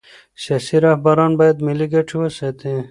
سیاسي رهبران باید ملي ګټې وساتي